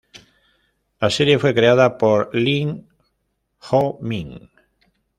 La serie fue creada por Lim Hwa-min.